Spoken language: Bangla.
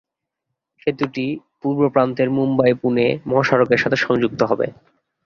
সেতুটি এর পূর্ব প্রান্তে মুম্বই-পুণে মহাসড়কের সাথে সংযুক্ত হবে।